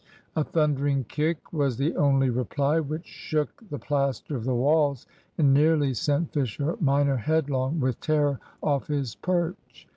A thundering kick was the only reply, which shook the plaster of the walls, and nearly sent Fisher minor headlong with terror off his perch.